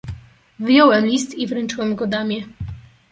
"Wyjąłem list i wręczyłem go damie."